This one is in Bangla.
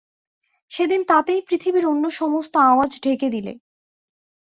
সেদিন তাতেই পৃথিবীর অন্য সমস্ত আওয়াজ ঢেকে দিলে।